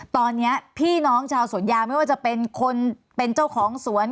ตอนนี้พี่น้องชาวสวนยางไม่ว่าจะเป็นคนเป็นเจ้าของสวน